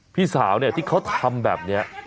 พี่สาวเนี่ยที่เขาทำแบบนี้